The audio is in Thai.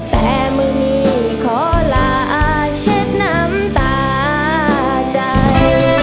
แต่มือนี้ขอลาอาเช็ดน้ำตาใจ